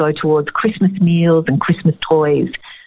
untuk semua orang di seluruh negara